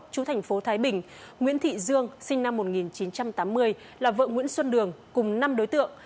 chú thành phố thái bình nguyễn thị dương sinh năm một nghìn chín trăm tám mươi là vợ nguyễn xuân đường cùng năm đối tượng